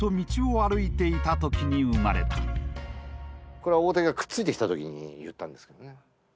これは大竹がくっついてきた時に言ったんですけどね。